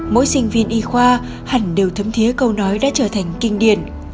mỗi sinh viên y khoa hẳn đều thấm thiế câu nói đã trở thành kinh điển